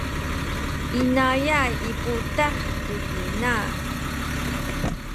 inayay i putah ci ina.